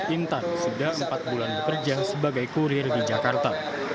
intan sudah empat bulan bekerja sebagai kurir di jakarta